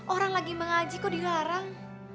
orang lagi mengaji kok dilarang